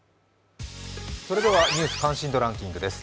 ではニュース関心度ランキングです。